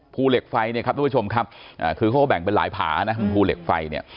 ภูเหล็กไฟเนี่ยครับทุกผู้ชมครับคือเขาก็แบ่งเป็นหลายผานะคุณภูเหล็กไฟเนี่ย